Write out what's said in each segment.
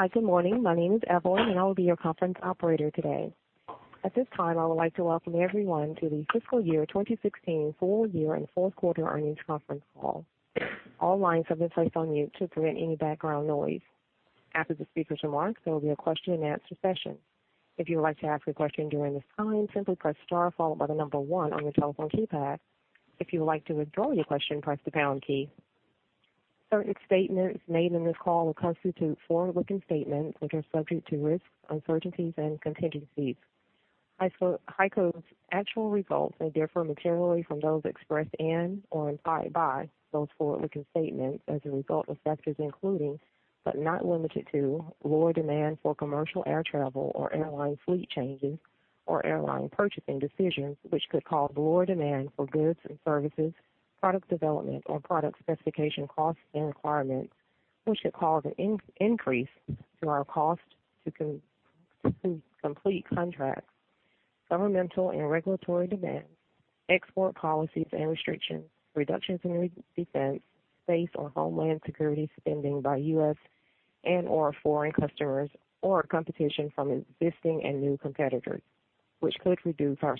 Hi, good morning. My name is Evelyn, I will be your conference operator today. At this time, I would like to welcome everyone to the fiscal year 2016 full year and fourth quarter earnings conference call. All lines have been placed on mute to prevent any background noise. After the speaker's remarks, there will be a question-and-answer session. If you would like to ask a question during this time, simply press star followed by the number one on your telephone keypad. If you would like to withdraw your question, press the pound key. Certain statements made in this call will constitute forward-looking statements, which are subject to risks, uncertainties, and contingencies. HEICO's actual results may differ materially from those expressed and/or implied by those forward-looking statements as a result of factors including, but not limited to, lower demand for commercial air travel or airline fleet changes or airline purchasing decisions, which could cause lower demand for goods and services, product development or product specification costs and requirements, which could cause an increase to our cost to complete contracts, governmental and regulatory demands, export policies and restrictions, reductions in defense, base, or homeland security spending by U.S. and/or foreign customers, or competition from existing and new competitors, which could reduce our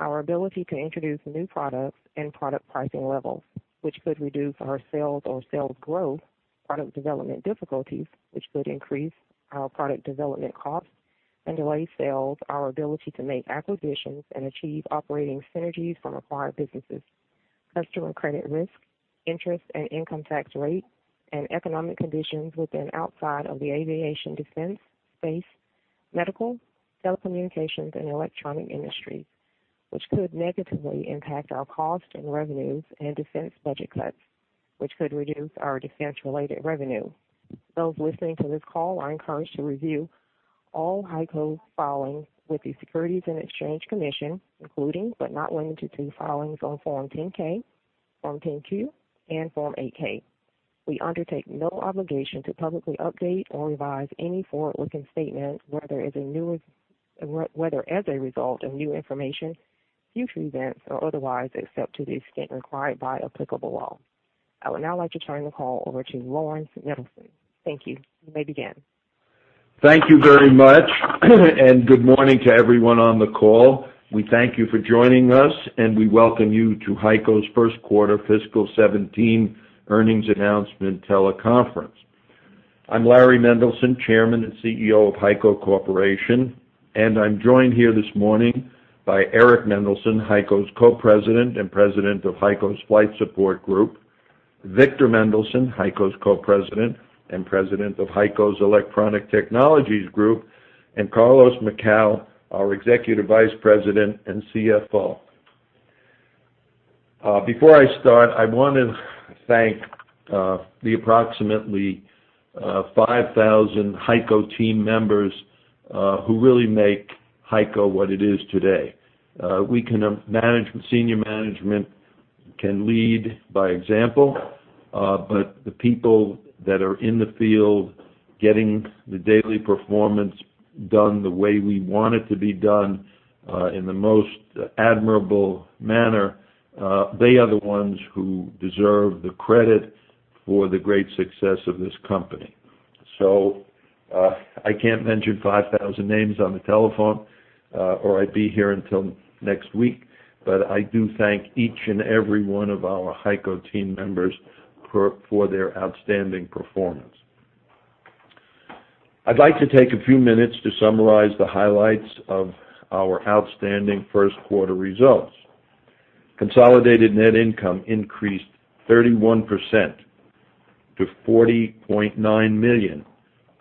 sales, our ability to introduce new products and product pricing levels, which could reduce our sales or sales growth, product development difficulties, which could increase our product development costs and delay sales, our ability to make acquisitions and achieve operating synergies from acquired businesses, customer credit risk, interest and income tax rate, and economic conditions within outside of the aviation, defense, space, medical, telecommunications, and electronic industries, which could negatively impact our cost and revenues and defense budget cuts, which could reduce our defense-related revenue. Those listening to this call are encouraged to review all HEICO filings with the Securities and Exchange Commission, including, but not limited to, filings on Form 10-K, Form 10-Q, and Form 8-K. We undertake no obligation to publicly update or revise any forward-looking statement whether as a result of new information, future events, or otherwise, except to the extent required by applicable law. I would now like to turn the call over to Laurans Mendelson. Thank you. You may begin. Thank you very much. Good morning to everyone on the call. We thank you for joining us, we welcome you to HEICO's first quarter fiscal 2017 earnings announcement teleconference. I'm Larry Mendelson, Chairman and CEO of HEICO Corporation, I'm joined here this morning by Eric Mendelson, HEICO's Co-President and President of HEICO's Flight Support Group, Victor Mendelson, HEICO's Co-President and President of HEICO's Electronic Technologies Group, Carlos Macau, our Executive Vice President and CFO. Before I start, I want to thank the approximately 5,000 HEICO team members who really make HEICO what it is today. Senior management can lead by example, the people that are in the field getting the daily performance done the way we want it to be done in the most admirable manner, they are the ones who deserve the credit for the great success of this company. I can't mention 5,000 names on the telephone, or I'd be here until next week, but I do thank each and every one of our HEICO team members for their outstanding performance. I'd like to take a few minutes to summarize the highlights of our outstanding first quarter results. Consolidated net income increased 31% to $40.9 million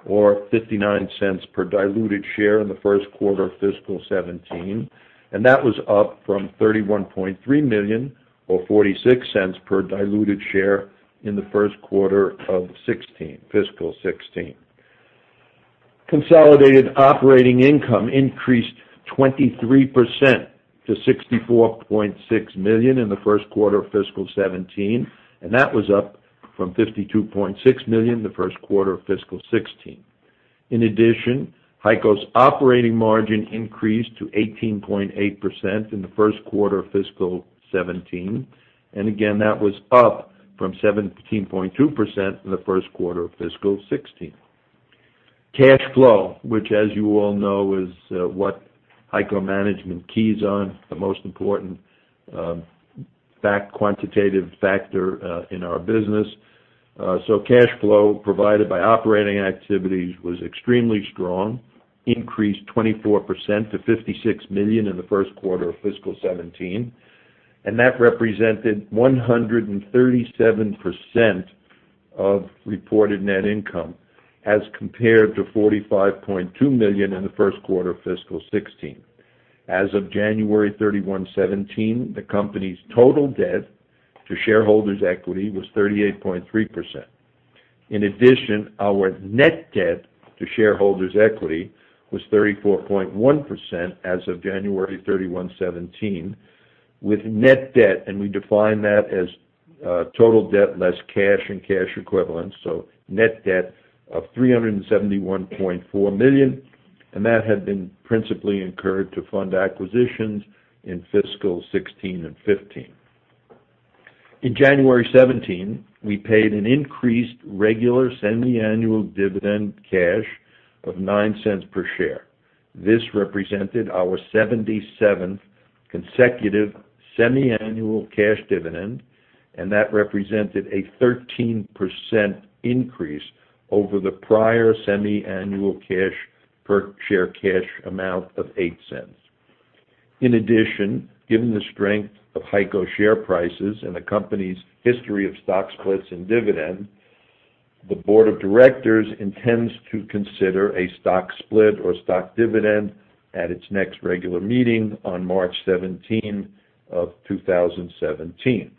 or $0.59 per diluted share in the first quarter of fiscal 2017, and that was up from $31.3 million or $0.46 per diluted share in the first quarter of fiscal 2016. Consolidated operating income increased 23% to $64.6 million in the first quarter of fiscal 2017, and that was up from $52.6 million the first quarter of fiscal 2016. In addition, HEICO's operating margin increased to 18.8% in the first quarter of fiscal 2017, and again, that was up from 17.2% in the first quarter of fiscal 2016. Cash flow, which as you all know is what HEICO management keys on, the most important quantitative factor in our business. Cash flow provided by operating activities was extremely strong, increased 24% to $56 million in the first quarter of fiscal 2017, and that represented 137% of reported net income as compared to $45.2 million in the first quarter of fiscal 2016. As of January 31, 2017, the company's total debt to shareholders' equity was 38.3%. In addition, our net debt to shareholders' equity was 34.1% as of January 31, 2017. With net debt, and we define that as total debt less cash and cash equivalents, net debt of $371.4 million, and that had been principally incurred to fund acquisitions in fiscal 2016 and 2015. In January 2017, we paid an increased regular semiannual dividend cash of $0.09 per share. This represented our 77th consecutive semiannual cash dividend, and that represented a 13% increase over the prior semiannual per share cash amount of $0.08. In addition, given the strength of HEICO share prices and the company's history of stock splits and dividends, the board of directors intends to consider a stock split or stock dividend at its next regular meeting on March 17, 2017.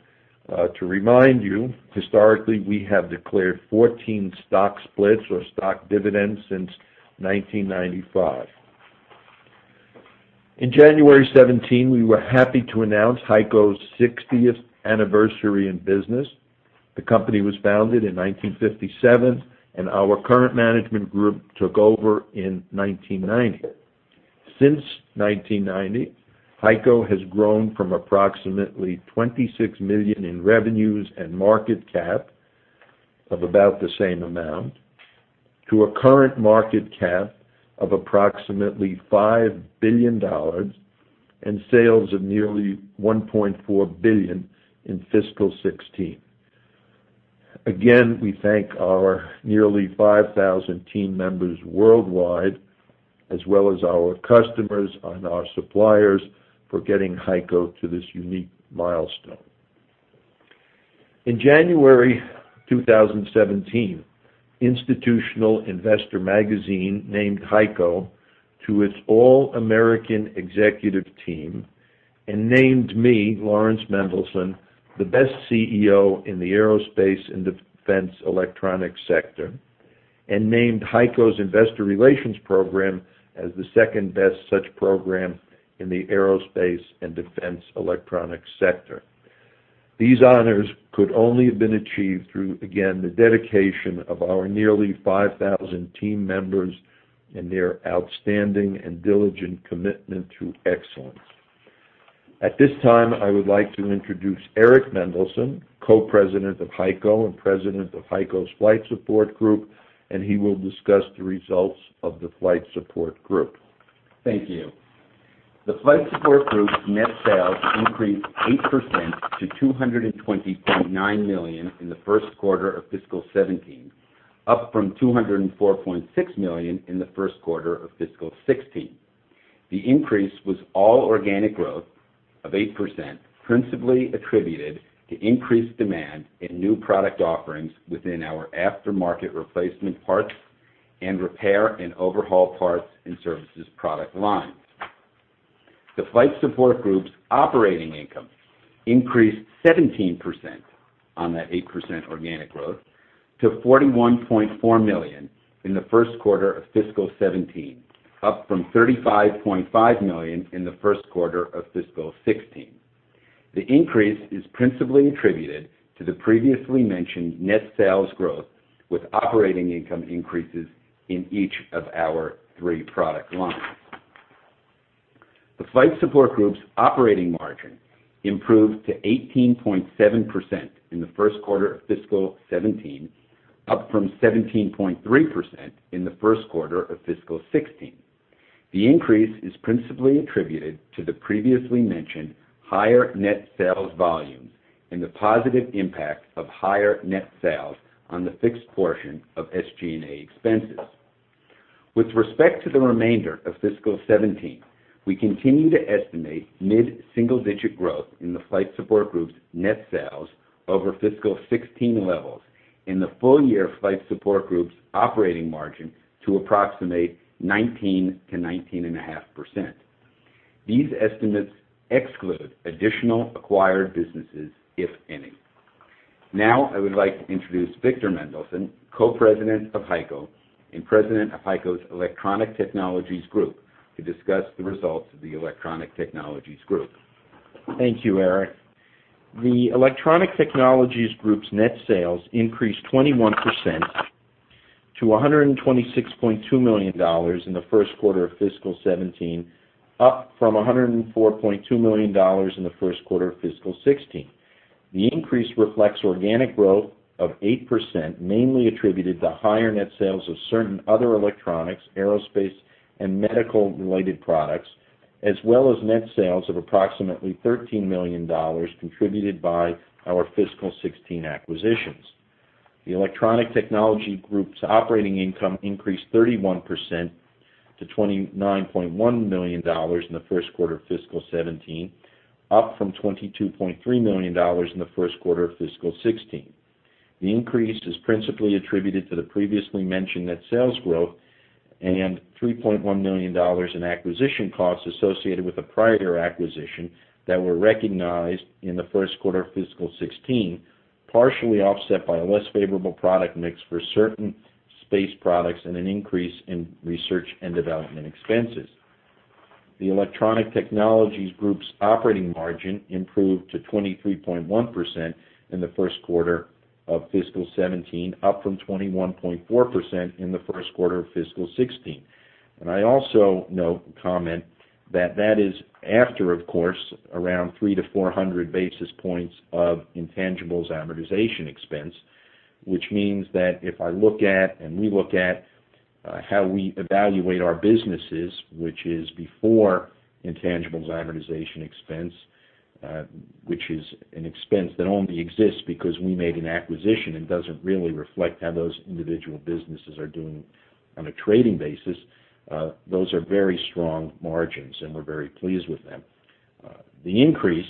To remind you, historically, we have declared 14 stock splits or stock dividends since 1995. In January 2017, we were happy to announce HEICO's 60th anniversary in business. The company was founded in 1957, and our current management group took over in 1990. Since 1990, HEICO has grown from approximately $26 million in revenues and market cap of about the same amount to a current market cap of approximately $5 billion and sales of nearly $1.4 billion in fiscal 2016. Again, we thank our nearly 5,000 team members worldwide, as well as our customers and our suppliers for getting HEICO to this unique milestone. In January 2017, Institutional Investor magazine named HEICO to its All-American Executive Team and named me, Laurans Mendelson, the best CEO in the aerospace and defense electronics sector and named HEICO's investor relations program as the second-best such program in the aerospace and defense electronics sector. These honors could only have been achieved through, again, the dedication of our nearly 5,000 team members and their outstanding and diligent commitment to excellence. At this time, I would like to introduce Eric Mendelson, Co-President of HEICO and President of HEICO's Flight Support Group, and he will discuss the results of the Flight Support Group. Thank you. The Flight Support Group's net sales increased 8% to $220.9 million in the first quarter of fiscal 2017, up from $204.6 million in the first quarter of fiscal 2016. The increase was all organic growth of 8%, principally attributed to increased demand in new product offerings within our aftermarket replacement parts and repair and overhaul parts and services product lines. The Flight Support Group's operating income increased 17% on that 8% organic growth to $41.4 million in the first quarter of fiscal 2017, up from $35.5 million in the first quarter of fiscal 2016. The increase is principally attributed to the previously mentioned net sales growth, with operating income increases in each of our three product lines. The Flight Support Group's operating margin improved to 18.7% in the first quarter of fiscal 2017, up from 17.3% in the first quarter of fiscal 2016. The increase is principally attributed to the previously mentioned higher net sales volumes and the positive impact of higher net sales on the fixed portion of SG&A expenses. With respect to the remainder of fiscal 2017, we continue to estimate mid-single-digit growth in the Flight Support Group's net sales over fiscal 2016 levels and the full-year Flight Support Group's operating margin to approximate 19%-19.5%. These estimates exclude additional acquired businesses, if any. I would like to introduce Victor Mendelson, Co-President of HEICO and President of HEICO's Electronic Technologies Group, to discuss the results of the Electronic Technologies Group. Thank you, Eric. The Electronic Technologies Group's net sales increased 21% to $126.2 million in the first quarter of fiscal 2017, up from $104.2 million in the first quarter of fiscal 2016. The increase reflects organic growth of 8%, mainly attributed to higher net sales of certain other electronics, aerospace, and medical-related products, as well as net sales of approximately $13 million, contributed by our fiscal 2016 acquisitions. The Electronic Technologies Group's operating income increased 31% to $29.1 million in the first quarter of fiscal 2017, up from $22.3 million in the first quarter of fiscal 2016. The increase is principally attributed to the previously mentioned net sales growth and $3.1 million in acquisition costs associated with a prior year acquisition that were recognized in the first quarter of fiscal 2016, partially offset by a less favorable product mix for certain space products and an increase in research and development expenses. The Electronic Technologies Group's operating margin improved to 23.1% in the first quarter of fiscal 2017, up from 21.4% in the first quarter of fiscal 2016. I also note and comment That is after, of course, around 300-400 basis points of intangibles amortization expense, which means that if I look at how we evaluate our businesses, which is before intangibles amortization expense, which is an expense that only exists because we made an acquisition and doesn't really reflect how those individual businesses are doing on a trading basis. Those are very strong margins, and we're very pleased with them. The increase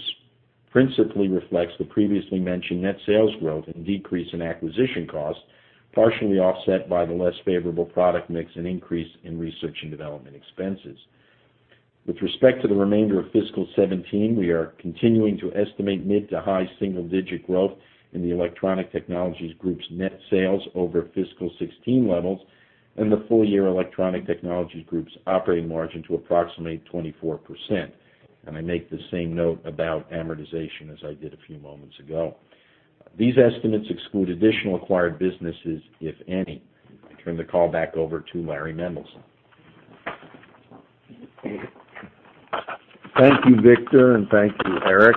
principally reflects the previously mentioned net sales growth and decrease in acquisition costs, partially offset by the less favorable product mix and increase in research and development expenses. With respect to the remainder of fiscal 2017, we are continuing to estimate mid to high single-digit growth in the Electronic Technologies Group's net sales over fiscal 2016 levels and the full year Electronic Technologies Group's operating margin to approximately 24%. I make the same note about amortization as I did a few moments ago. These estimates exclude additional acquired businesses, if any. I turn the call back over to Laurans Mendelson. Thank you, Victor, thank you, Eric.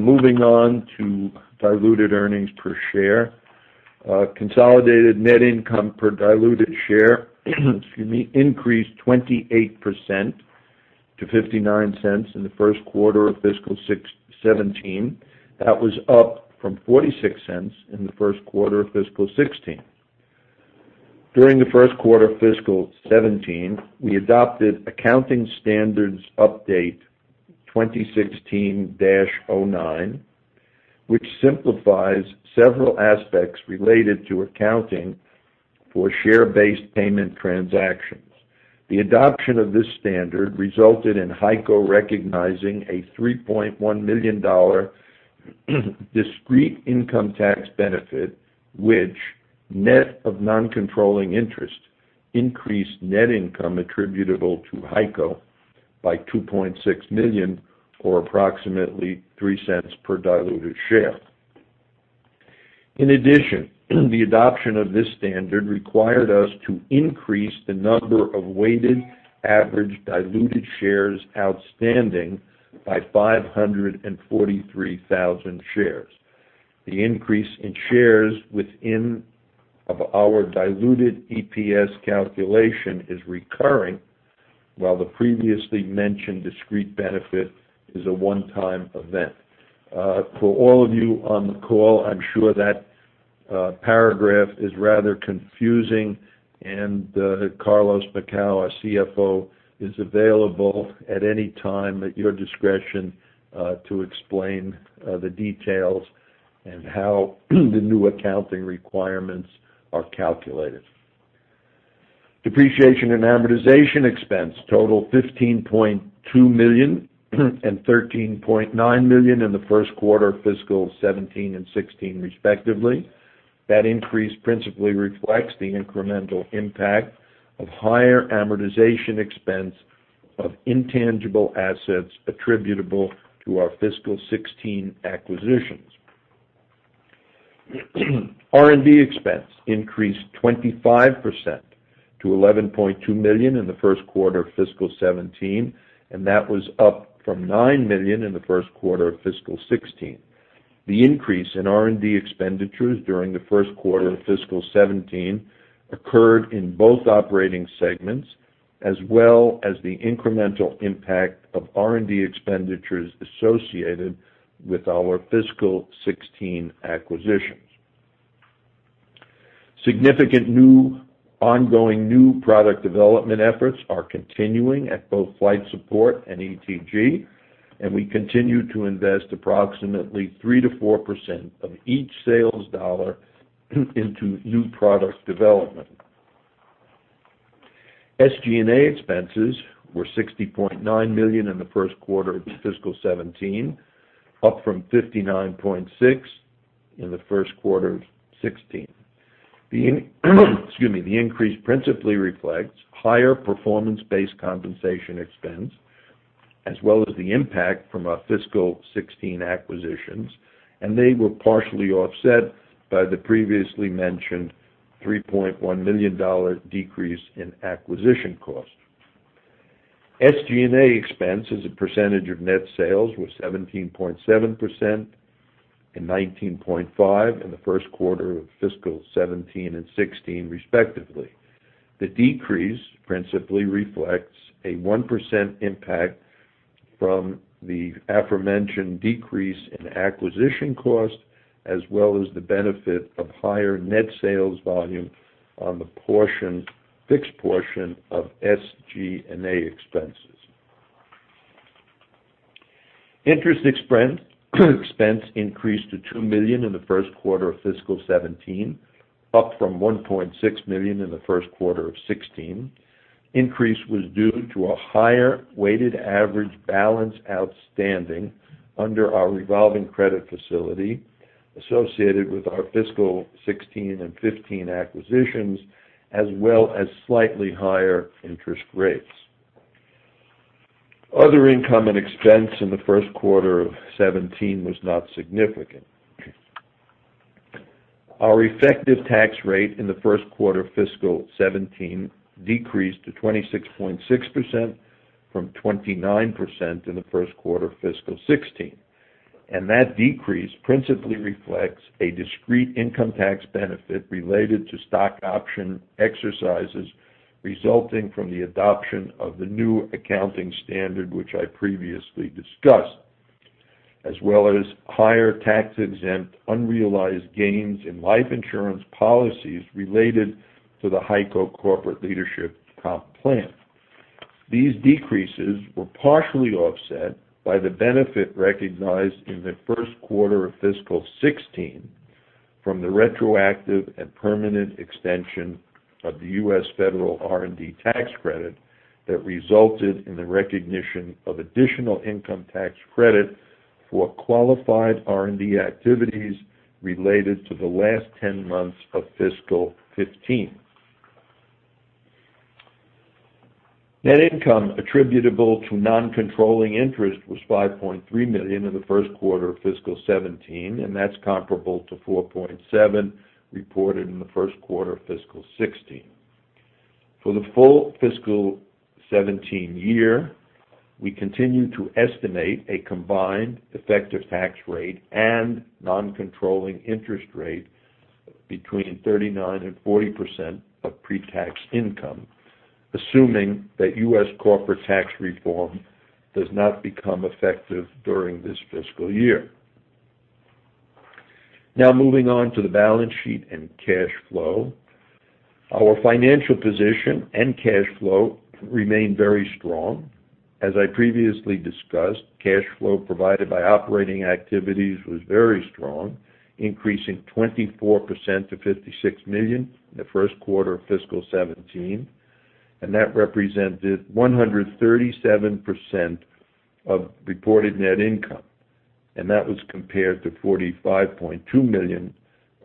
Moving on to diluted earnings per share. Consolidated net income per diluted share increased 28% to $0.59 in the first quarter of fiscal 2017. That was up from $0.46 in the first quarter of fiscal 2016. During the first quarter of fiscal 2017, we adopted Accounting Standards Update 2016-09, which simplifies several aspects related to accounting for share-based payment transactions. The adoption of this standard resulted in HEICO recognizing a $3.1 million discrete income tax benefit, which net of non-controlling interest, increased net income attributable to HEICO by $2.6 million or approximately $0.03 per diluted share. In addition, the adoption of this standard required us to increase the number of weighted average diluted shares outstanding by 543,000 shares. The increase in shares within of our diluted EPS calculation is recurring, while the previously mentioned discrete benefit is a one-time event. For all of you on the call, I'm sure that paragraph is rather confusing, Carlos Macau, our CFO, is available at any time at your discretion, to explain the details and how the new accounting requirements are calculated. Depreciation and amortization expense totaled $15.2 million and $13.9 million in the first quarter of fiscal 2017 and 2016, respectively. That increase principally reflects the incremental impact of higher amortization expense of intangible assets attributable to our fiscal 2016 acquisitions. R&D expense increased 25% to $11.2 million in the first quarter of fiscal 2017, that was up from $9 million in the first quarter of fiscal 2016. The increase in R&D expenditures during the first quarter of fiscal 2017 occurred in both operating segments, as well as the incremental impact of R&D expenditures associated with our fiscal 2016 acquisitions. Significant ongoing new product development efforts are continuing at both Flight Support and ETG. We continue to invest approximately 3%-4% of each sales dollar into new product development. SG&A expenses were $60.9 million in the first quarter of fiscal 2017, up from $59.6 million in the first quarter of 2016. The increase principally reflects higher performance-based compensation expense as well as the impact from our fiscal 2016 acquisitions. They were partially offset by the previously mentioned $3.1 million decrease in acquisition costs. SG&A expense as a percentage of net sales was 17.7% and 19.5% in the first quarter of fiscal 2017 and 2016, respectively. The decrease principally reflects a 1% impact from the aforementioned decrease in acquisition cost, as well as the benefit of higher net sales volume on the fixed portion of SG&A expenses. Interest expense increased to $2 million in the first quarter of fiscal 2017, up from $1.6 million in the first quarter of 2016. The increase was due to a higher weighted average balance outstanding under our revolving credit facility associated with our fiscal 2016 and 2015 acquisitions, as well as slightly higher interest rates. Other income and expense in the first quarter of 2017 was not significant. Our effective tax rate in the first quarter of fiscal 2017 decreased to 26.6% from 29% in the first quarter of fiscal 2016. That decrease principally reflects a discrete income tax benefit related to stock option exercises resulting from the adoption of the new accounting standard which I previously discussed, as well as higher tax-exempt unrealized gains in life insurance policies related to the HEICO Corporate Leadership Comp Plan. These decreases were partially offset by the benefit recognized in the first quarter of fiscal 2016 from the retroactive and permanent extension of the U.S. Federal R&D tax credit that resulted in the recognition of additional income tax credit for qualified R&D activities related to the last 10 months of fiscal 2015. Net income attributable to non-controlling interest was $5.3 million in the first quarter of fiscal 2017. That's comparable to $4.7 million reported in the first quarter of fiscal 2016. For the full fiscal 2017 year, we continue to estimate a combined effective tax rate and non-controlling interest rate between 39% and 40% of pre-tax income, assuming that U.S. corporate tax reform does not become effective during this fiscal year. Moving on to the balance sheet and cash flow. Our financial position and cash flow remain very strong. As I previously discussed, cash flow provided by operating activities was very strong, increasing 24% to $56 million in the first quarter of fiscal 2017. That represented 137% of reported net income. That was compared to $45.2 million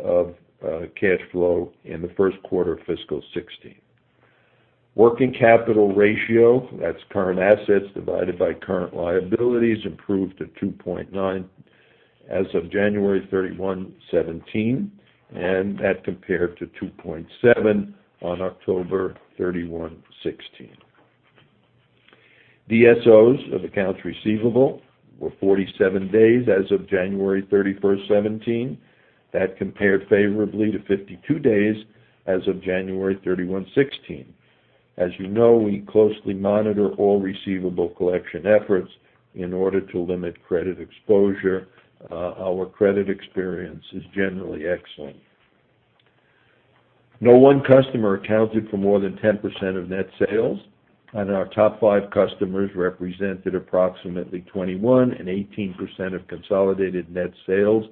of cash flow in the first quarter of fiscal 2016. Working capital ratio, that's current assets divided by current liabilities, improved to 2.9 as of January 31, 2017. That compared to 2.7 on October 31, 2016. DSOs of accounts receivable were 47 days as of January 31, 2017. That compared favorably to 52 days as of January 31, 2016. As you know, we closely monitor all receivable collection efforts in order to limit credit exposure. Our credit experience is generally excellent. No one customer accounted for more than 10% of net sales, our top five customers represented approximately 21% and 18% of consolidated net sales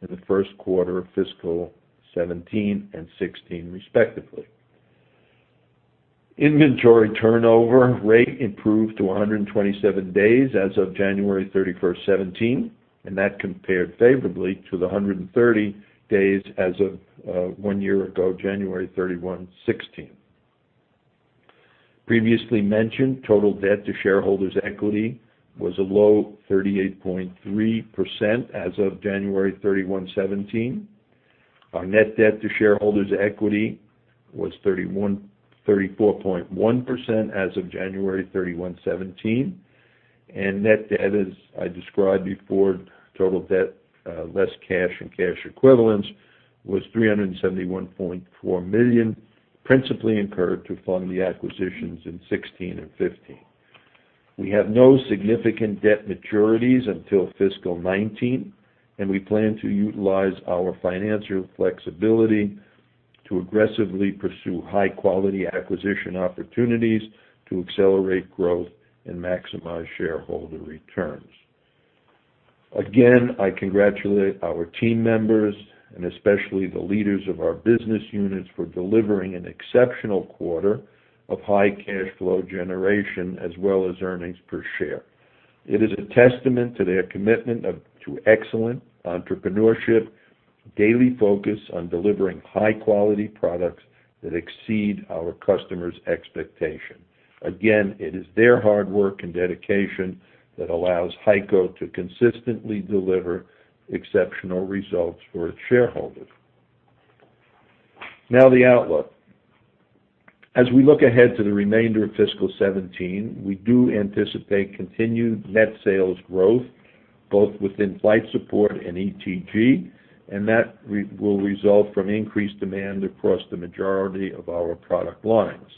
in the first quarter of fiscal 2017 and 2016, respectively. Inventory turnover rate improved to 127 days as of January 31, 2017, and that compared favorably to the 130 days as of one year ago, January 31, 2016. Previously mentioned total debt to shareholders' equity was a low 38.3% as of January 31, 2017. Our net debt to shareholders' equity was 34.1% as of January 31, 2017. Net debt, as I described before, total debt less cash and cash equivalents, was $371.4 million, principally incurred to fund the acquisitions in 2016 and 2015. We have no significant debt maturities until fiscal 2019, and we plan to utilize our financial flexibility to aggressively pursue high-quality acquisition opportunities to accelerate growth and maximize shareholder returns. Again, I congratulate our team members, and especially the leaders of our business units, for delivering an exceptional quarter of high cash flow generation as well as earnings per share. It is a testament to their commitment to excellent entrepreneurship, daily focus on delivering high-quality products that exceed our customers' expectation. Again, it is their hard work and dedication that allows HEICO to consistently deliver exceptional results for its shareholders. Now the outlook. As we look ahead to the remainder of fiscal 2017, we do anticipate continued net sales growth, both within Flight Support and ETG, and that will result from increased demand across the majority of our product lines.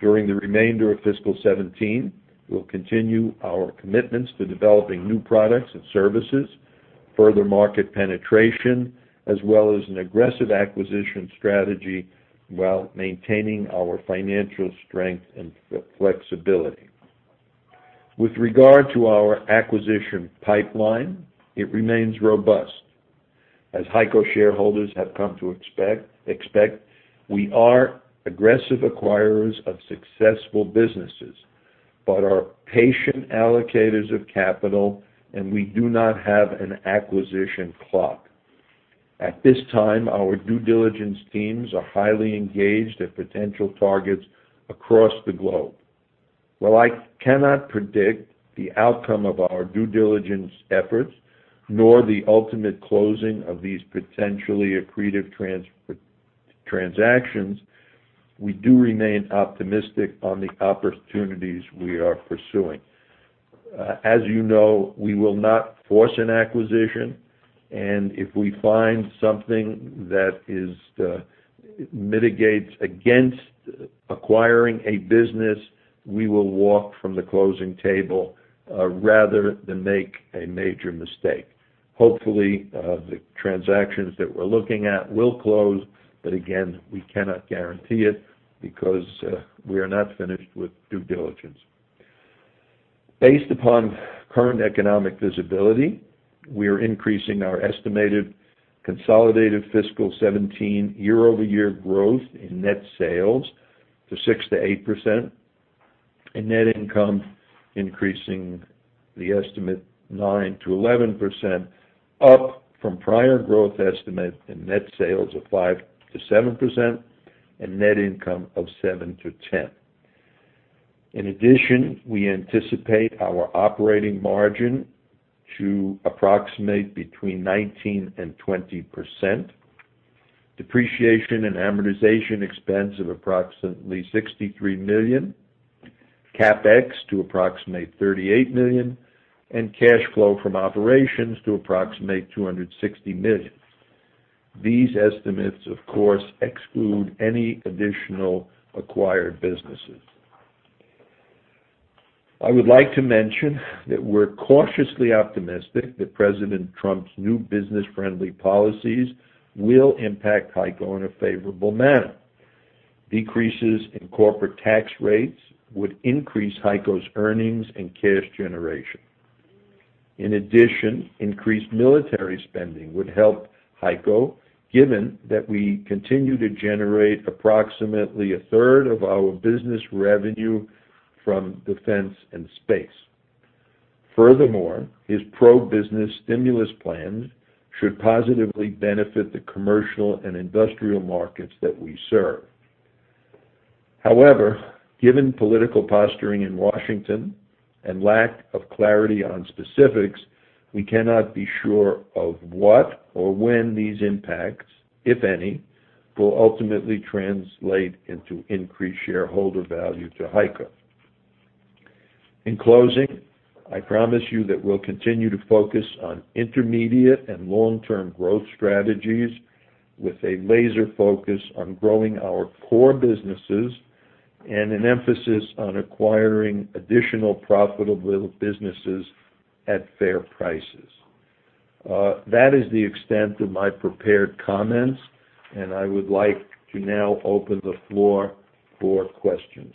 During the remainder of fiscal 2017, we'll continue our commitments to developing new products and services, further market penetration, as well as an aggressive acquisition strategy while maintaining our financial strength and flexibility. With regard to our acquisition pipeline, it remains robust. As HEICO shareholders have come to expect, we are aggressive acquirers of successful businesses, are patient allocators of capital and we do not have an acquisition clock. At this time, our due diligence teams are highly engaged at potential targets across the globe. I cannot predict the outcome of our due diligence efforts, nor the ultimate closing of these potentially accretive transactions. We do remain optimistic on the opportunities we are pursuing. As you know, we will not force an acquisition, if we find something that mitigates against acquiring a business, we will walk from the closing table rather than make a major mistake. Hopefully, the transactions that we're looking at will close, again, we cannot guarantee it because we are not finished with due diligence. Based upon current economic visibility, we are increasing our estimated consolidated fiscal 2017 year-over-year growth in net sales to 6%-8%, and net income increasing the estimate 9%-11%, up from prior growth estimate in net sales of 5%-7% and net income of 7%-10%. In addition, we anticipate our operating margin to approximate between 19% and 20%. Depreciation and amortization expense of approximately $63 million. CapEx to approximate $38 million, and cash flow from operations to approximate $260 million. These estimates, of course, exclude any additional acquired businesses. I would like to mention that we're cautiously optimistic that President Trump's new business-friendly policies will impact HEICO in a favorable manner. Decreases in corporate tax rates would increase HEICO's earnings and cash generation. In addition, increased military spending would help HEICO, given that we continue to generate approximately a third of our business revenue from defense and space. Furthermore, his pro-business stimulus plans should positively benefit the commercial and industrial markets that we serve. However, given political posturing in Washington and lack of clarity on specifics, we cannot be sure of what or when these impacts, if any, will ultimately translate into increased shareholder value to HEICO. In closing, I promise you that we'll continue to focus on intermediate and long-term growth strategies with a laser focus on growing our core businesses and an emphasis on acquiring additional profitable businesses at fair prices. That is the extent of my prepared comments, and I would like to now open the floor for questions.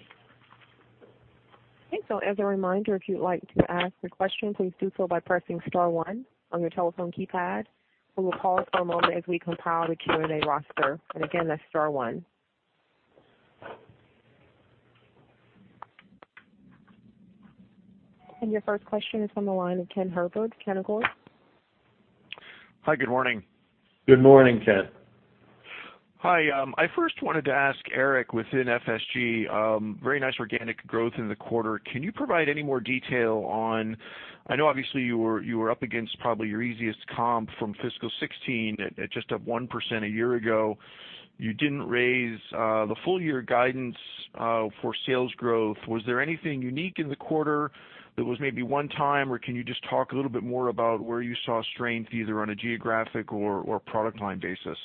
As a reminder, if you'd like to ask a question, please do so by pressing star one on your telephone keypad. We will pause for a moment as we compile the Q&A roster, and again, that's star one. Your first question is on the line with Ken Herbert, Canaccord. Hi, good morning. Good morning, Ken. Hi. I first wanted to ask Eric, within FSG, very nice organic growth in the quarter. Can you provide any more detail on, I know obviously you were up against probably your easiest comp from fiscal 2016 at just up 1% a year ago. You didn't raise the full year guidance for sales growth. Was there anything unique in the quarter that was maybe one-time, or can you just talk a little bit more about where you saw strength, either on a geographic or product line basis?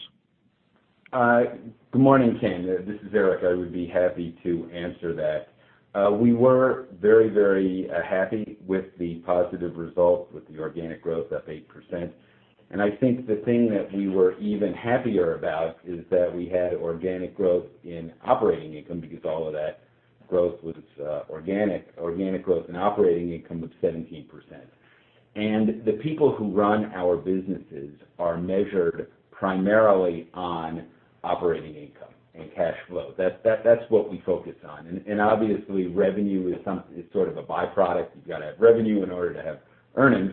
Good morning, Ken. This is Eric. I would be happy to answer that. We were very happy with the positive results with the organic growth up 8%. I think the thing that we were even happier about is that we had organic growth in operating income because all of that growth was organic. Organic growth and operating income of 17%. The people who run our businesses are measured primarily on operating income and cash flow. That's what we focus on. Obviously, revenue is sort of a byproduct. You've got to have revenue in order to have earnings.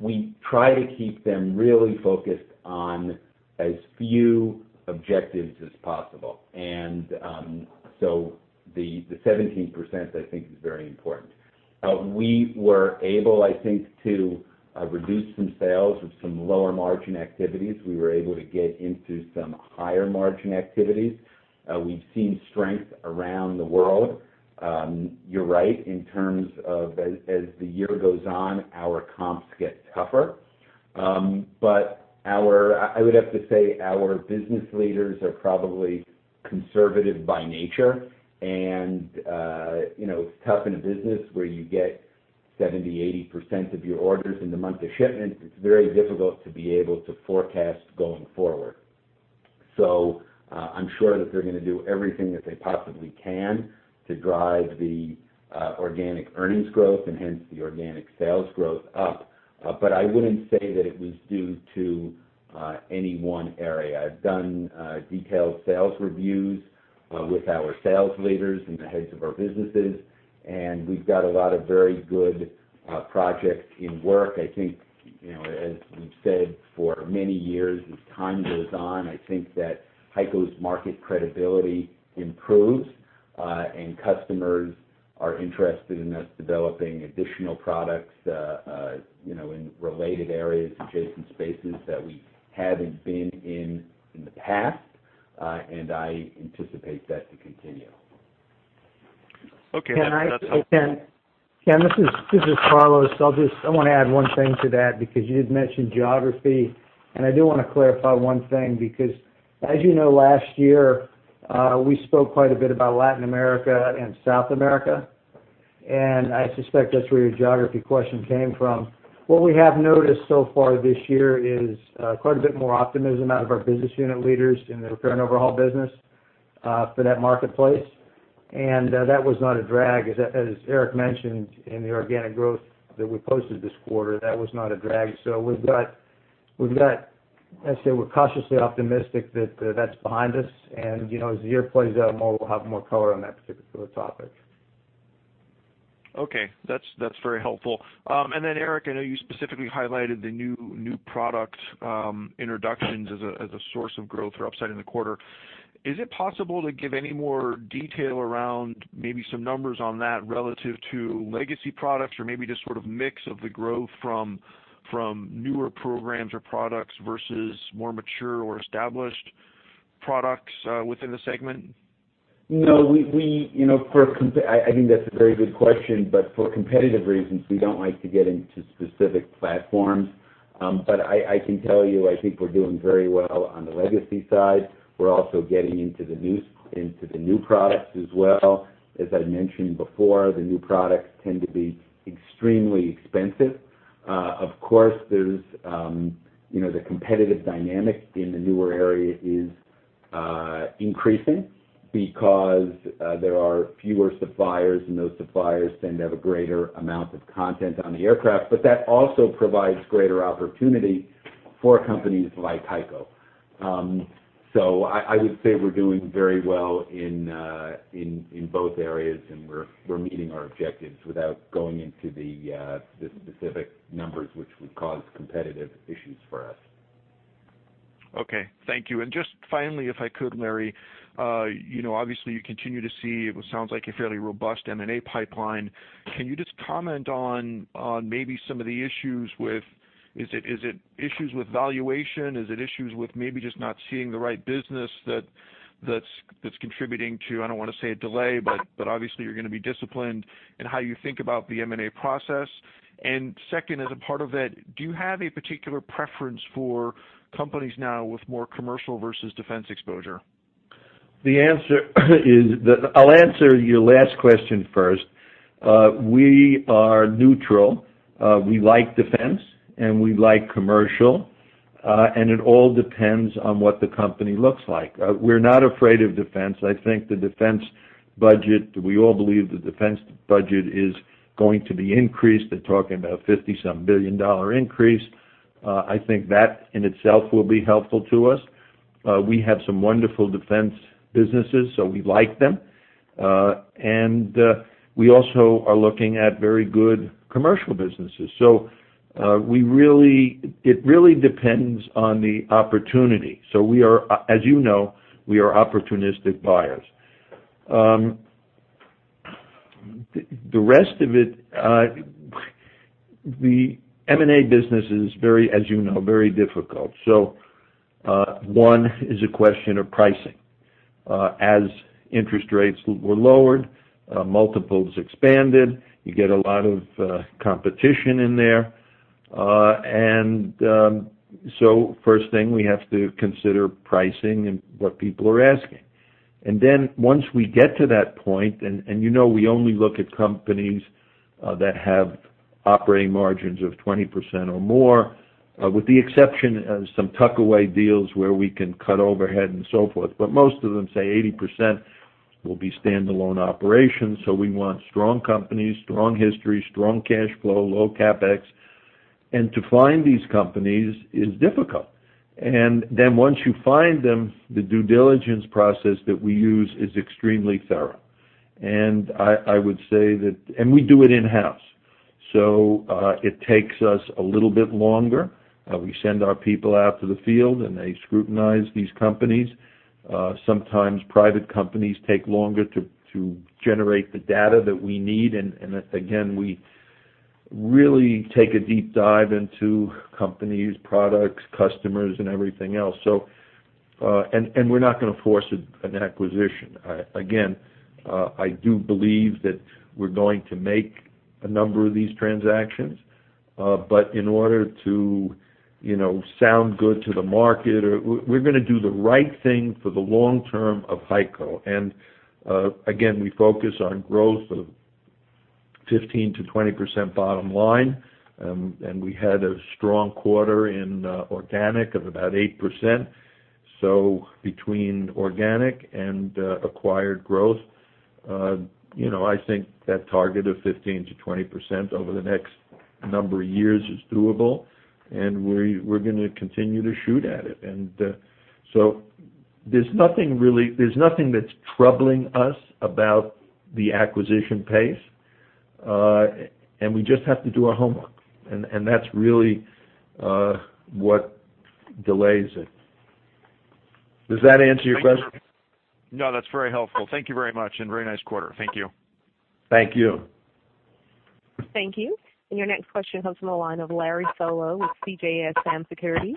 We try to keep them really focused on as few objectives as possible. The 17%, I think, is very important. We were able, I think, to reduce some sales of some lower margin activities. We were able to get into some higher margin activities. We've seen strength around the world. You're right, in terms of as the year goes on, our comps get tougher. I would have to say our business leaders are probably conservative by nature. It's tough in a business where you get 70%, 80% of your orders in the month of shipment. It's very difficult to be able to forecast going forward. I'm sure that they're going to do everything that they possibly can to drive the organic earnings growth and hence the organic sales growth up. I wouldn't say that it was due to any one area. I've done detailed sales reviews with our sales leaders and the heads of our businesses. We've got a lot of very good projects in work. I think, as we've said for many years, as time goes on, I think that HEICO's market credibility improves. Customers are interested in us developing additional products, in related areas, adjacent spaces that we haven't been in the past. I anticipate that to continue. Okay. That's helpful. Ken, this is Carlos. I want to add one thing to that because you had mentioned geography, and I do want to clarify one thing, because as you know, last year, we spoke quite a bit about Latin America and South America, and I suspect that's where your geography question came from. What we have noticed so far this year is quite a bit more optimism out of our business unit leaders in the repair and overhaul business, for that marketplace. That was not a drag, as Eric mentioned, in the organic growth that we posted this quarter, that was not a drag. We've got, I say we're cautiously optimistic that that's behind us. As the year plays out more, we'll have more color on that particular topic. Okay. That's very helpful. Eric, I know you specifically highlighted the new product introductions as a source of growth or upside in the quarter. Is it possible to give any more detail around maybe some numbers on that relative to legacy products or maybe just sort of mix of the growth from newer programs or products versus more mature or established products within the segment? No. I think that's a very good question, for competitive reasons, we don't like to get into specific platforms. I can tell you, I think we're doing very well on the legacy side. We're also getting into the new products as well. As I mentioned before, the new products tend to be extremely expensive. Of course, the competitive dynamic in the newer area is increasing because there are fewer suppliers, and those suppliers tend to have a greater amount of content on the aircraft. That also provides greater opportunity for companies like HEICO. I would say we're doing very well in both areas, and we're meeting our objectives without going into the specific numbers which would cause competitive issues for us. Okay. Thank you. Just finally, if I could, Larry, obviously, you continue to see what sounds like a fairly robust M&A pipeline. Can you just comment on maybe some of the issues with, is it issues with valuation? Is it issues with maybe just not seeing the right business that's contributing to, I don't want to say a delay, but obviously you're going to be disciplined in how you think about the M&A process. Second, as a part of it, do you have a particular preference for companies now with more commercial versus defense exposure? The answer is that I'll answer your last question first. We are neutral. We like defense, and we like commercial. It all depends on what the company looks like. We're not afraid of defense. I think the defense budget, we all believe the defense budget is going to be increased. They're talking about a $57 billion increase. I think that in itself will be helpful to us. We have some wonderful defense businesses, so we like them. We also are looking at very good commercial businesses. It really depends on the opportunity. We are, as you know, we are opportunistic buyers. The rest of it, the M&A business is, as you know, very difficult. One is a question of pricing. As interest rates were lowered, multiples expanded. You get a lot of competition in there. First thing, we have to consider pricing and what people are asking. Once we get to that point, and you know we only look at companies that have operating margins of 20% or more, with the exception of some tuck-away deals where we can cut overhead and so forth. Most of them, say 80%, will be standalone operations. We want strong companies, strong history, strong cash flow, low CapEx. To find these companies is difficult. Once you find them, the due diligence process that we use is extremely thorough. I would say that, and we do it in-house. It takes us a little bit longer. We send our people out to the field, and they scrutinize these companies. Sometimes private companies take longer to generate the data that we need. Again, we really take a deep dive into companies, products, customers, and everything else. We're not going to force an acquisition. Again, I do believe that we're going to make a number of these transactions. In order to sound good to the market, we're going to do the right thing for the long term of HEICO. Again, we focus on growth of 15%-20% bottom line. We had a strong quarter in organic of about 8%. So between organic and acquired growth, I think that target of 15%-20% over the next number of years is doable, and we're going to continue to shoot at it. There's nothing that's troubling us about the acquisition pace. We just have to do our homework, and that's really what delays it. Does that answer your question? No, that's very helpful. Thank you very much. Very nice quarter. Thank you. Thank you. Thank you. Your next question comes from the line of Larry Solow with CJS Securities.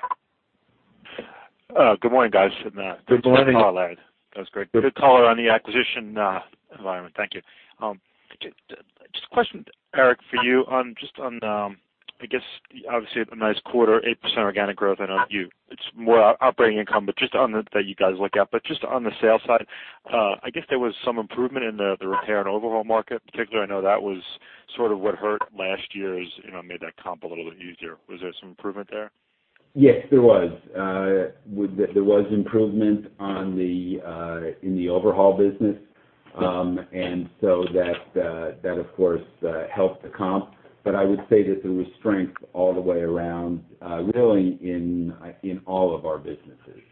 Good morning, guys. Good morning. Good call, Larry. That was great. Good color on the acquisition environment. Thank you. Just a question, Eric, for you. Obviously, a nice quarter, 8% organic growth, and it's more operating income, but just on that you guys look at, but just on the sales side, I guess there was some improvement in the repair and overhaul market, particularly. I know that was sort of what hurt last year's, made that comp a little bit easier. Was there some improvement there? Yes, there was. There was improvement in the overhaul business. That of course, helped the comp. I would say that there was strength all the way around, really in all of our businesses.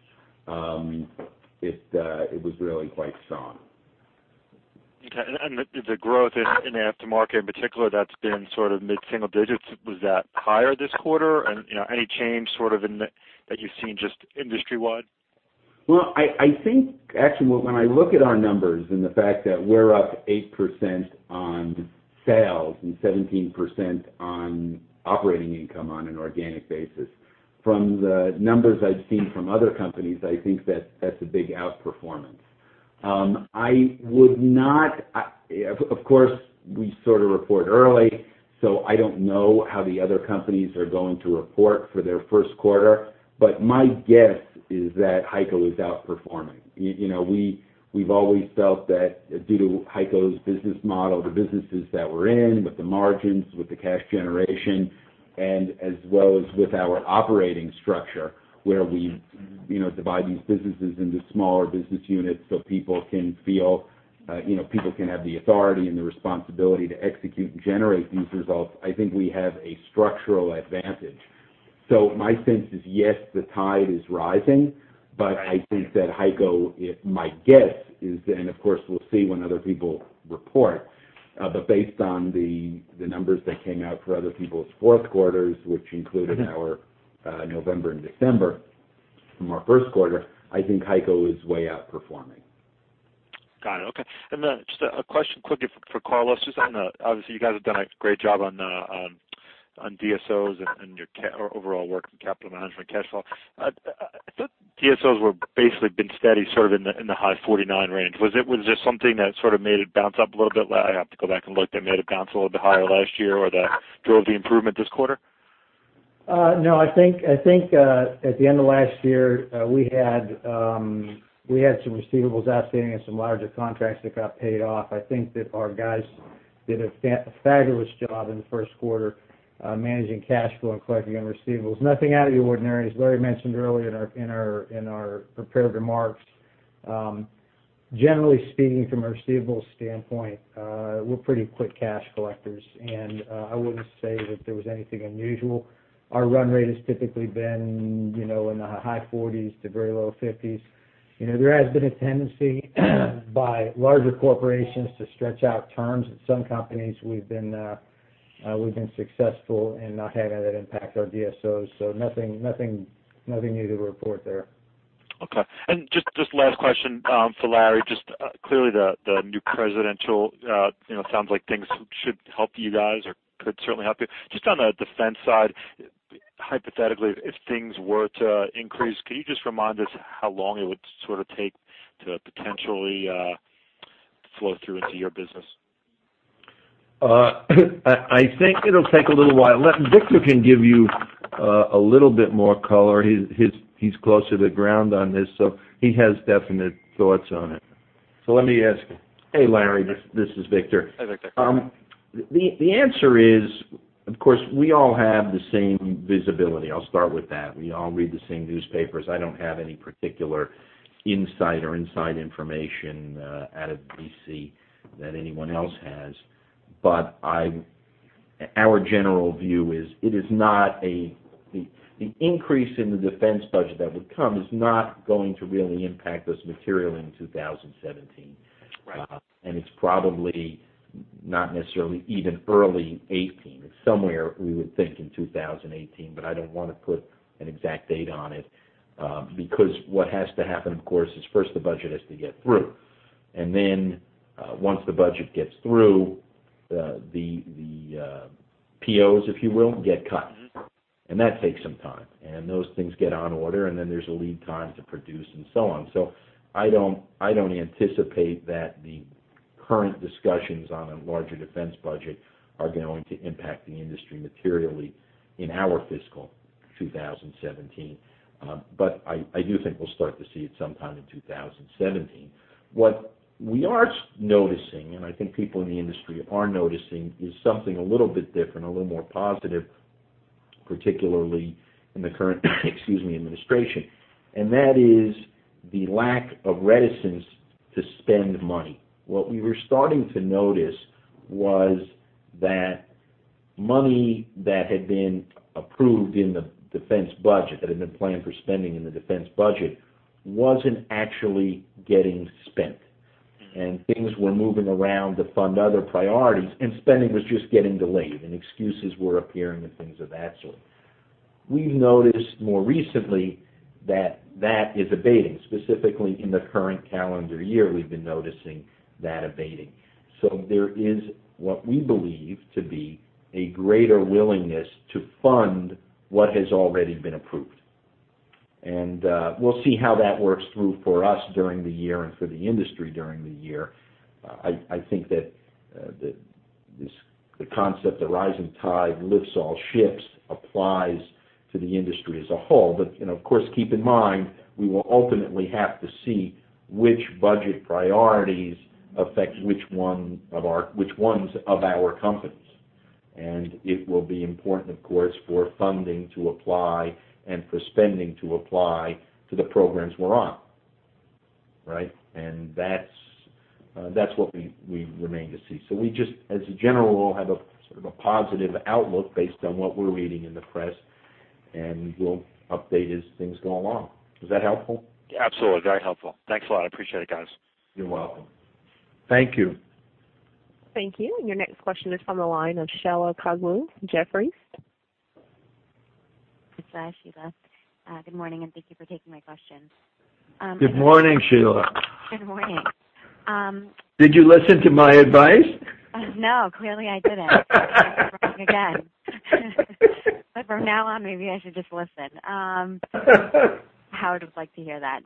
It was really quite strong. Okay. The growth in aftermarket in particular, that's been sort of mid-single digits. Was that higher this quarter? Any change sort of that you've seen just industry-wide? Well, I think actually, when I look at our numbers and the fact that we're up 8% on sales and 17% on operating income on an organic basis, from the numbers I've seen from other companies, I think that's a big outperformance. Of course, we sort of report early, so I don't know how the other companies are going to report for their first quarter. My guess is that HEICO is outperforming. We've always felt that due to HEICO's business model, the businesses that we're in, with the margins, with the cash generation, and as well as with our operating structure, where we divide these businesses into smaller business units so people can have the authority and the responsibility to execute and generate these results. I think we have a structural advantage. My sense is, yes, the tide is rising, I think that HEICO, my guess is, of course, we'll see when other people report. Based on the numbers that came out for other people's fourth quarters, which included our November and December from our first quarter, I think HEICO is way outperforming. Got it. Okay. Then just a question quickly for Carlos, just on the, obviously, you guys have done a great job on DSOs and your overall working capital management cash flow. DSOs were basically been steady, sort of in the high 49 range. Was this something that sort of made it bounce up a little bit? I have to go back and look. That made it bounce a little bit higher last year or that drove the improvement this quarter? I think at the end of last year, we had some receivables outstanding and some larger contracts that got paid off. I think that our guys did a fabulous job in the first quarter, managing cash flow and collecting on receivables. Nothing out of the ordinary, as Larry mentioned earlier in our prepared remarks. Generally speaking, from a receivables standpoint, we're pretty quick cash collectors, and I wouldn't say that there was anything unusual. Our run rate has typically been in the high 40s to very low 50s. There has been a tendency by larger corporations to stretch out terms. At some companies, we've been successful in not having that impact our DSOs. Nothing new to report there. Last question for Larry. Clearly the new presidential, sounds like things should help you guys or could certainly help you. On the defense side, hypothetically, if things were to increase, can you just remind us how long it would sort of take to potentially flow through into your business? I think it'll take a little while. Victor can give you a little bit more color. He's closer to the ground on this, he has definite thoughts on it. Let me ask him. Hey, Larry. This is Victor. Hi, Victor. The answer is, of course, we all have the same visibility. I'll start with that. We all read the same newspapers. I don't have any particular insight or inside information out of D.C. that anyone else has. Our general view is the increase in the defense budget that would come is not going to really impact us materially in 2017. Right. It's probably not necessarily even early 2018. It's somewhere, we would think, in 2018. I don't want to put an exact date on it. What has to happen, of course, is first the budget has to get through. Then once the budget gets through, the POs, if you will, get cut. That takes some time, and those things get on order, and then there's a lead time to produce, and so on. I don't anticipate that the current discussions on a larger defense budget are going to impact the industry materially in our fiscal 2017. I do think we'll start to see it sometime in 2017. What we are noticing, and I think people in the industry are noticing, is something a little bit different, a little more positive, particularly in the current, excuse me, administration, and that is the lack of reticence to spend money. What we were starting to notice was that. Money that had been approved in the defense budget, that had been planned for spending in the defense budget, wasn't actually getting spent. Things were moving around to fund other priorities, and spending was just getting delayed, and excuses were appearing and things of that sort. We've noticed more recently that that is abating. Specifically in the current calendar year we've been noticing that abating. There is what we believe to be a greater willingness to fund what has already been approved. We'll see how that works through for us during the year and for the industry during the year. I think that the concept of rising tide lifts all ships applies to the industry as a whole. Of course, keep in mind, we will ultimately have to see which budget priorities affect which ones of our companies. It will be important, of course, for funding to apply and for spending to apply to the programs we're on. Right? That's what we remain to see. We just, as a general rule, have a sort of a positive outlook based on what we're reading in the press, and we'll update as things go along. Was that helpful? Absolutely. Very helpful. Thanks a lot. I appreciate it, guys. You're welcome. Thank you. Thank you. Your next question is from the line of Sheila Kahyaoglu, Jefferies. It's Sheila. Good morning, and thank you for taking my question. Good morning, Sheila. Good morning. Did you listen to my advice? No, clearly I didn't. I'm calling again. From now on, maybe I should just listen. Howard would like to hear that.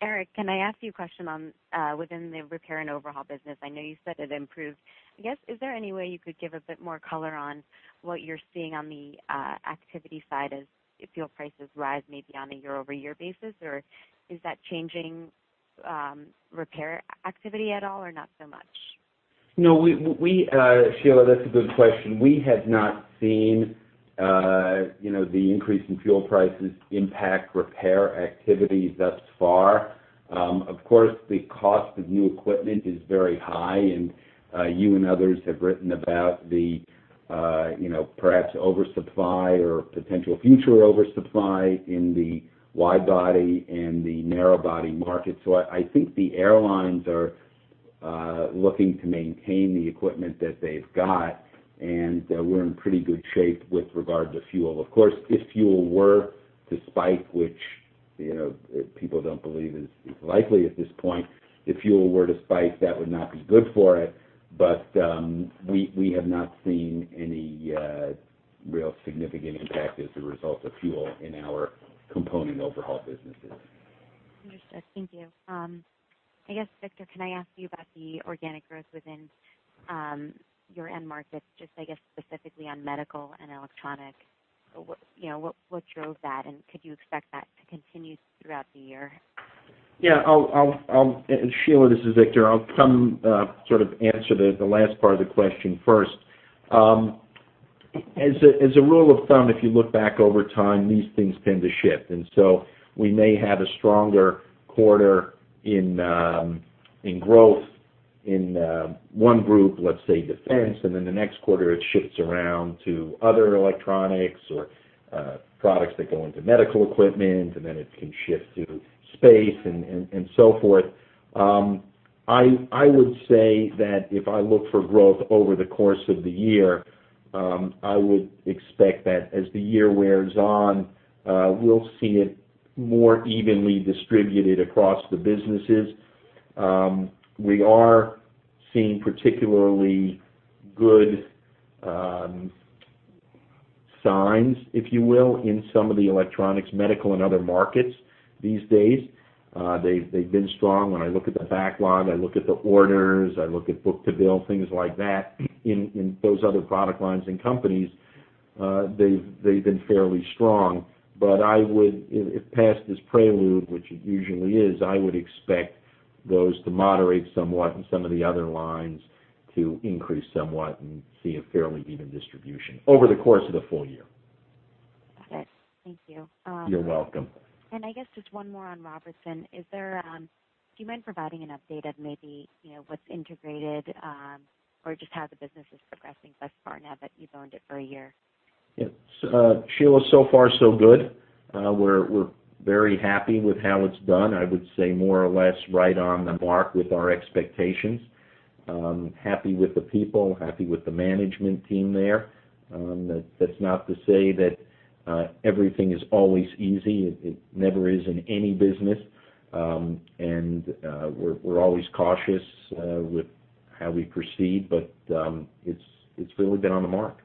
Eric, can I ask you a question on within the repair and overhaul business? I know you said it improved. I guess, is there any way you could give a bit more color on what you're seeing on the activity side as fuel prices rise, maybe on a year-over-year basis, or is that changing repair activity at all or not so much? No, Sheila, that's a good question. We have not seen the increase in fuel prices impact repair activity thus far. Of course, the cost of new equipment is very high and you and others have written about the perhaps oversupply or potential future oversupply in the wide body and the narrow body market. I think the airlines are looking to maintain the equipment that they've got, and we're in pretty good shape with regard to fuel. Of course, if fuel were to spike, which people don't believe is likely at this point, if fuel were to spike, that would not be good for it. We have not seen any real significant impact as a result of fuel in our component overhaul businesses. Understood. Thank you. I guess, Victor, can I ask you about the organic growth within your end markets, just I guess specifically on medical and electronic. What drove that, could you expect that to continue throughout the year? Yeah. Sheila, this is Victor. I'll come sort of answer the last part of the question first. As a rule of thumb, if you look back over time, these things tend to shift, we may have a stronger quarter in growth in one group, let's say defense, the next quarter it shifts around to other electronics or products that go into medical equipment, it can shift to space and so forth. I would say that if I look for growth over the course of the year, I would expect that as the year wears on, we'll see it more evenly distributed across the businesses. We are seeing particularly good signs, if you will, in some of the electronics, medical, and other markets these days. They've been strong. When I look at the backlog, I look at the orders, I look at book-to-bill, things like that in those other product lines and companies, they've been fairly strong. I would, if past is prelude, which it usually is, I would expect those to moderate somewhat and some of the other lines to increase somewhat and see a fairly even distribution over the course of the full year. Got it. Thank you. You're welcome. I guess just one more on Robertson. Do you mind providing an update of maybe what's integrated, or just how the business is progressing thus far now that you've owned it for a year? Yes. Sheila, so far so good. We're very happy with how it's done. I would say more or less right on the mark with our expectations. Happy with the people, happy with the management team there. That's not to say that everything is always easy. It never is in any business. We're always cautious with how we proceed. It's really been on the mark.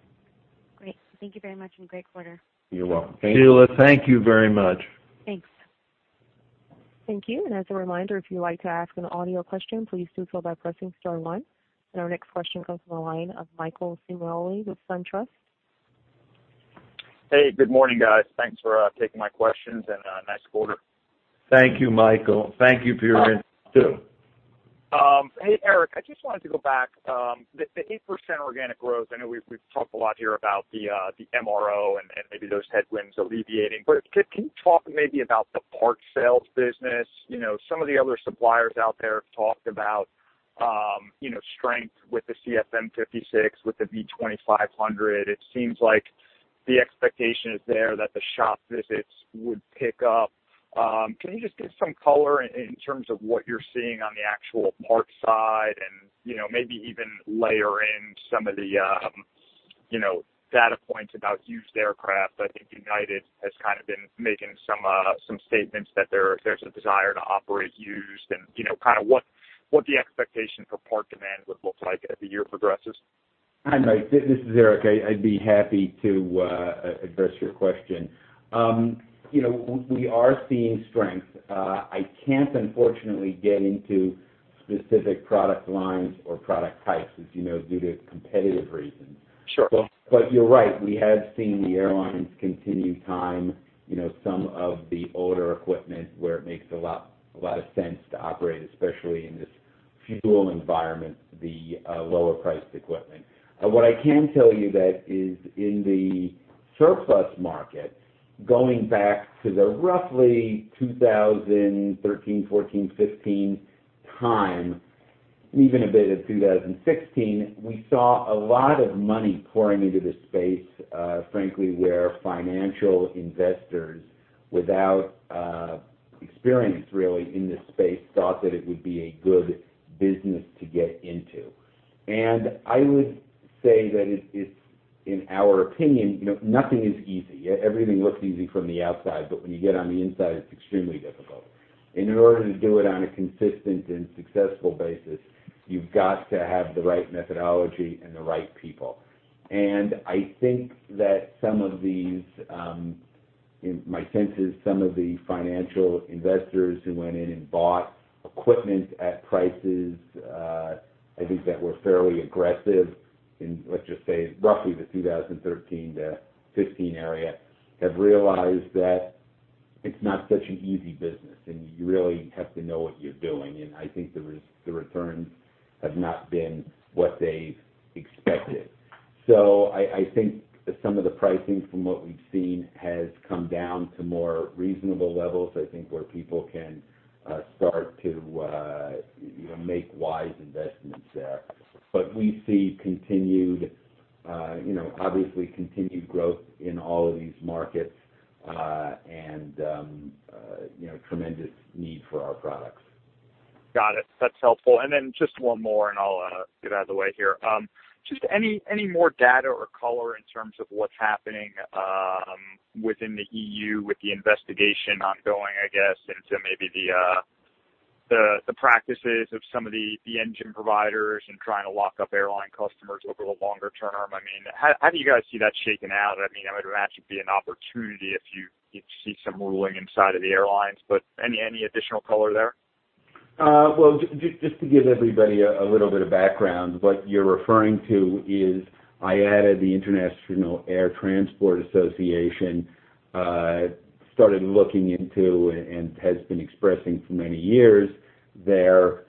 Great. Thank you very much and great quarter. You're welcome. Thank you. Sheila, thank you very much. Thanks. Thank you. As a reminder, if you'd like to ask an audio question, please do so by pressing star one. Our next question comes from the line of Michael Ciarmoli with SunTrust. Hey. Good morning, guys. Thanks for taking my questions and nice quarter. Thank you, Michael. Thank you for your interest, too. Hey, Eric. I just wanted to go back. The 8% organic growth, I know we've talked a lot here about the MRO and maybe those headwinds alleviating, but can you talk maybe about the parts sales business? Some of the other suppliers out there have talked about strength with the CFM56, with the V2500. It seems like the expectation is there that the shop visits would pick up. Can you just give some color in terms of what you're seeing on the actual parts side and maybe even layer in some of the data points about used aircraft? I think United has been making some statements that there's a desire to operate used and, what the expectation for part demand would look like as the year progresses. Hi, Mike, this is Eric. I'd be happy to address your question. We are seeing strength. I can't, unfortunately, get into specific product lines or product types, as you know, due to competitive reasons. Sure. You're right, we have seen the airlines continue time, some of the older equipment where it makes a lot of sense to operate, especially in this fuel environment, the lower priced equipment. What I can tell you, though, is in the surplus market, going back to the roughly 2013, 2014, 2015 time, even a bit of 2016, we saw a lot of money pouring into the space, frankly, where financial investors without experience, really, in this space, thought that it would be a good business to get into. I would say that in our opinion, nothing is easy. Everything looks easy from the outside, but when you get on the inside, it's extremely difficult. In order to do it on a consistent and successful basis, you've got to have the right methodology and the right people. I think that some of these, my sense is some of the financial investors who went in and bought equipment at prices, I think that were fairly aggressive in, let's just say, roughly the 2013-2015 area, have realized that it's not such an easy business, and you really have to know what you're doing. I think the returns have not been what they've expected. I think some of the pricing from what we've seen has come down to more reasonable levels, I think, where people can start to make wise investments there. We see, obviously, continued growth in all of these markets, and tremendous need for our products. Got it. That's helpful. Just one more, and I'll get out of the way here. Just any more data or color in terms of what's happening within the EU with the investigation ongoing, I guess, into maybe the practices of some of the engine providers and trying to lock up airline customers over the longer term? How do you guys see that shaking out? It would actually be an opportunity if you see some ruling inside of the airlines, any additional color there? Well, just to give everybody a little bit of background, what you're referring to is IATA, the International Air Transport Association, started looking into, and has been expressing for many years, their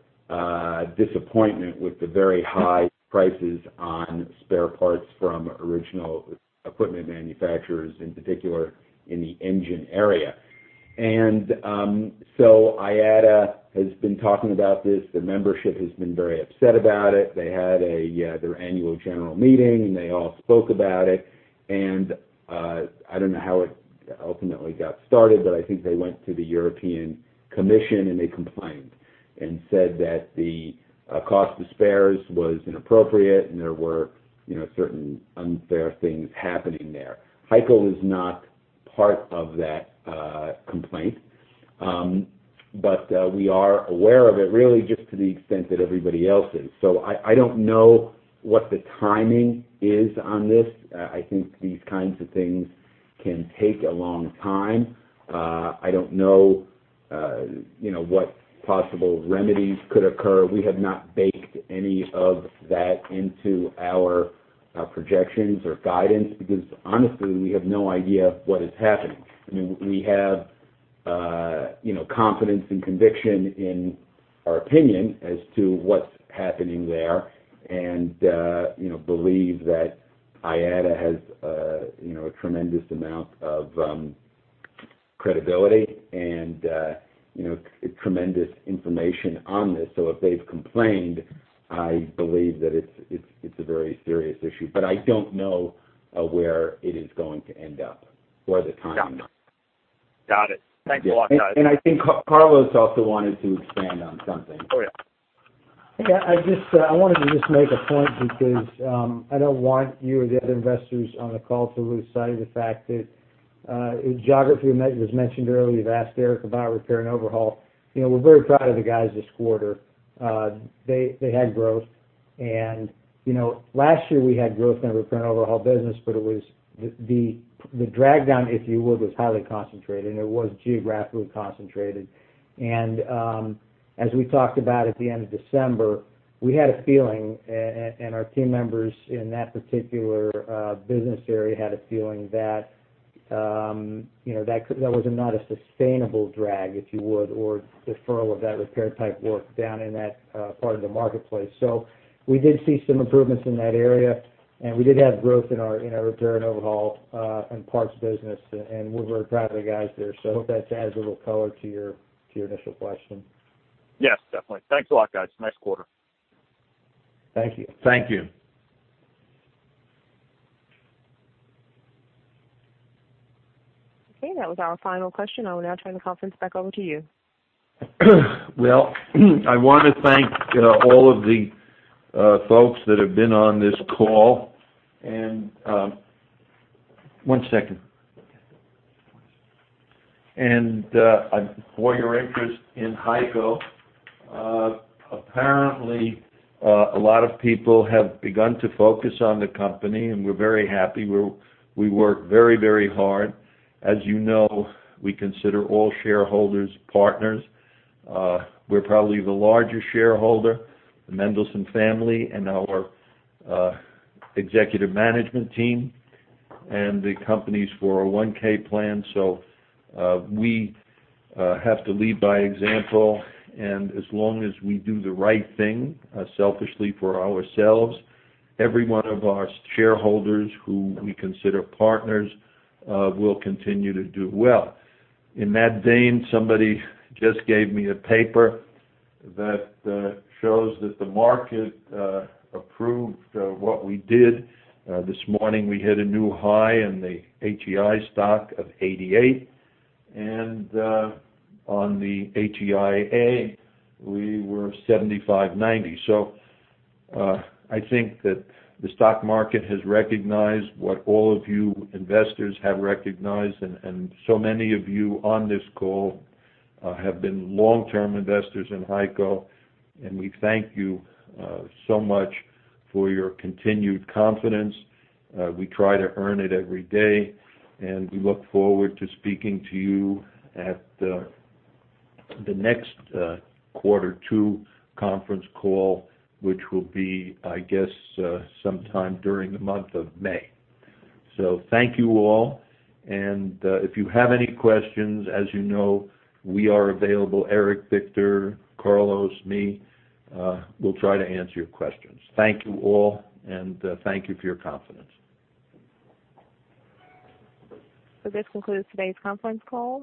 disappointment with the very high prices on spare parts from original equipment manufacturers, in particular in the engine area. IATA has been talking about this. The membership has been very upset about it. They had their annual general meeting, and they all spoke about it. I don't know how it ultimately got started, but I think they went to the European Commission, and they complained and said that the cost of spares was inappropriate, and there were certain unfair things happening there. HEICO is not part of that complaint. We are aware of it, really just to the extent that everybody else is. I don't know what the timing is on this. I think these kinds of things can take a long time. I don't know what possible remedies could occur. We have not baked any of that into our projections or guidance because honestly, we have no idea what is happening. We have confidence and conviction in our opinion as to what's happening there and believe that IATA has a tremendous amount of credibility and tremendous information on this. If they've complained, I believe that it's a very serious issue. I don't know where it is going to end up for the time. Got it. Thanks a lot, guys. I think Carlos also wanted to expand on something. Yeah. I wanted to just make a point because, I don't want you or the other investors on the call to lose sight of the fact that geography was mentioned earlier. You've asked Eric about repair and overhaul. We're very proud of the guys this quarter. They had growth, and last year we had growth in our repair and overhaul business, but the drag down, if you will, was highly concentrated, and it was geographically concentrated. As we talked about at the end of December, we had a feeling, and our team members in that particular business area had a feeling that that was not a sustainable drag, if you would, or deferral of that repair type work down in that part of the marketplace. We did see some improvements in that area, and we did have growth in our repair and overhaul, and parts business. We're very proud of the guys there. I hope that adds a little color to your initial question. Yes, definitely. Thanks a lot, guys. Nice quarter. Thank you. Thank you. Okay, that was our final question. I will now turn the conference back over to you. Well, I want to thank all of the folks that have been on this call, and one second. For your interest in HEICO. Apparently, a lot of people have begun to focus on the company, and we're very happy. We work very hard. As you know, we consider all shareholders partners. We're probably the largest shareholder, the Mendelson family, and our executive management team, and the company's 401(k) plan. We have to lead by example, and as long as we do the right thing, selfishly for ourselves, every one of our shareholders who we consider partners will continue to do well. In that vein, somebody just gave me a paper that shows that the market approved what we did. This morning, we hit a new high in the HEI stock of 88, and on the HEI.A, we were $75.90. I think that the stock market has recognized what all of you investors have recognized. Many of you on this call have been long-term investors in HEICO, and we thank you so much for your continued confidence. We try to earn it every day, and we look forward to speaking to you at the next quarter two conference call, which will be, I guess, sometime during the month of May. Thank you all. If you have any questions, as you know, we are available. Eric, Victor, Carlos Macau, me, we'll try to answer your questions. Thank you all, and thank you for your confidence. This concludes today's conference call.